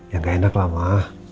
ya gak enak lah